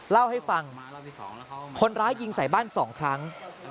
เล่าให้ฟังคนร้ายยิงใส่บ้าน๒ครั้ง